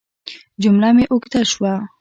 جمله مې اوږده شوه.